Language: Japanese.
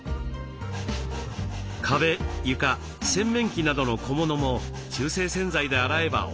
壁床洗面器などの小物も中性洗剤で洗えばＯＫ。